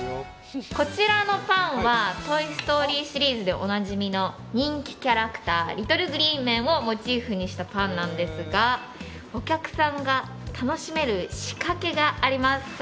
こちらのパンは「トイ・ストーリー」シリーズでおなじみの人気キャラクターリトル・グリーン・メンをモチーフにしたパンなんですがお客さんが楽しめる仕掛けがあります。